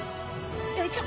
よいしょ。